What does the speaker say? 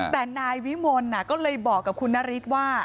แต่นายวิมลก็เลยบอกกับคุณนฤทธิ์ว่า